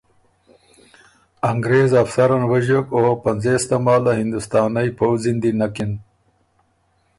انګرېز افسر ان وݫیوک او پنځېس تماله هندوستانئ پؤځی ن دی نکِن۔